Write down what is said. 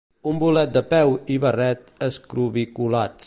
Un bolet de peu i barret escrobiculats.